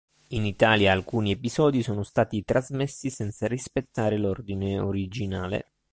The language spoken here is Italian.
In italia alcuni episodi sono stati trasmessi senza rispettare l'ordine originale.